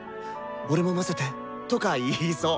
「俺も交ぜて！」とか言いそう。